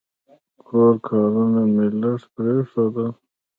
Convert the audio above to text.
کور کارونه مې لږ پرېښودل.